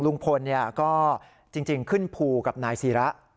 ลุงพลก็จริงขึ้นภูกับนายศิระ